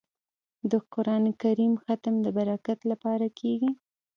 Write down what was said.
د قران کریم ختم د برکت لپاره کیږي.